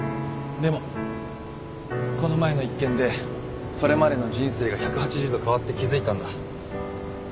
でもこの前の一件でそれまでの人生が１８０度変わって気付いたんだ。